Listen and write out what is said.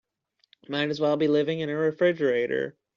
Might as well be living in a refrigerator.